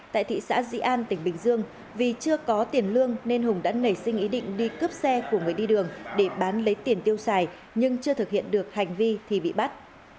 tại thị xã dĩ an tỉnh bình dương vì chưa có tiền lương nên hùng đã nảy sinh ý định đi cướp xe của người đi đường để bán lấy tiền tiêu xài nhưng chưa thực hiện được hành vi thì bị bắt